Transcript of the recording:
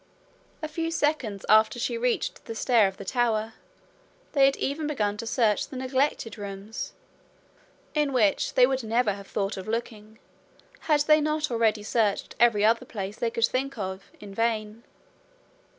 A few seconds after she reached the stair of the tower they had even begun to search the neglected rooms, in which they would never have thought of looking had they not already searched every other place they could think of in vain.